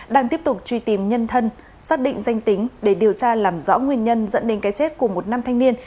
đang tiếp tục truy tìm nhân thân xác định danh tính để điều tra làm rõ nguyên nhân dẫn đến cái chết của một nam thanh niên